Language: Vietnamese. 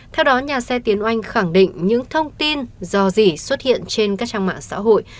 theo đó nhà xe tiến oanh khẳng định những thông tin dò dỉ xuất hiện trên các trang mạng xã hội